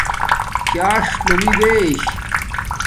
ژاݽ لُومی بیش